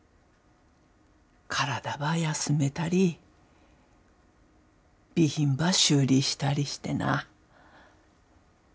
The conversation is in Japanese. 体ば休めたり備品ば修理したりしてな。